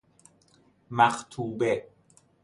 مخطوبه